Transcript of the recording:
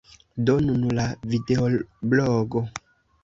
Do nun la videoblogo.